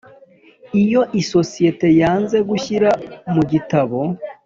Iyo isosiyete yanze gushyira mu gitabo